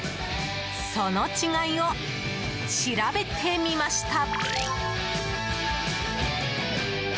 その違いを調べてみました。